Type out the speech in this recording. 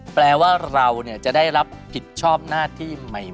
แปลว่าเราจะได้รับผิดชอบหน้าที่ใหม่